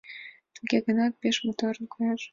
Туге гынат пеш моторын коеш.